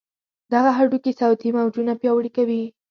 دغه هډوکي صوتي موجونه پیاوړي کوي.